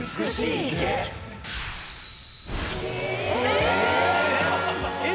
えっ！？